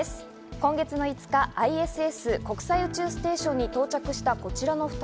今月の５日、ＩＳＳ＝国際宇宙ステーションに到着したこちらの２人。